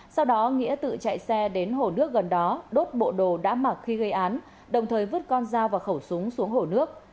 sau đó nghĩa tự chạy xe đến hồ nước gần đó đốt bộ đồ đã mặc khi gây án đồng thời vứt con dao và khẩu súng xuống hồ nước